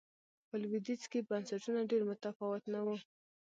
په لوېدیځ کې بنسټونه ډېر متفاوت نه و.